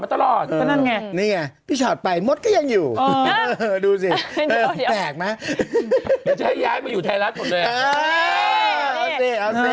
ถ้าเขาไม่รับเขาจะไปเปิดประตูสุดพวกคุณแม่แต่แรกต่อ